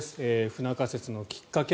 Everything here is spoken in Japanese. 不仲説のきっかけ。